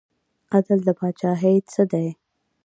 عدل د پاچاهۍ څه دی؟